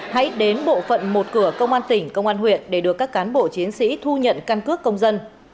hãy đến bộ phận một cửa công an tỉnh công an huyện để được các cán bộ chiến sĩ thu nhận căn cước công dân